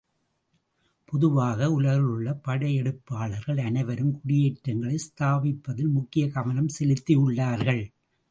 பொதுவாக உலகிலுள்ள படையெடுப்பாளர்கள் அனைவரும் குடியேற்றங்களை ஸ்தாபிப்பதில் முக்கிய கவனம் செலுத்தியுள்ளார்கள்.